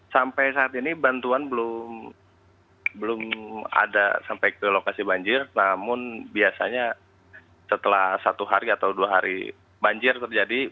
sampai saat ini bantuan belum ada sampai ke lokasi banjir namun biasanya setelah satu hari atau dua hari banjir terjadi